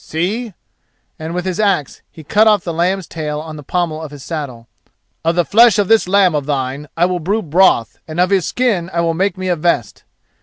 See," and with his axe he cut off the lamb's tail on the pommel of his saddle: "of the flesh of this lamb of thine I will brew broth and of his skin I will make me a vest.